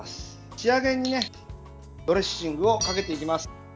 仕上げに、ドレッシングをかけていきます。